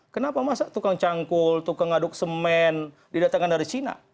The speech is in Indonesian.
kenapa masak tukang cangkul tukang ngaduk semen didatangkan dari cina